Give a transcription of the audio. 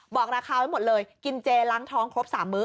บอกราคาไว้หมดเลยกินเจล้างท้องครบ๓มื้อ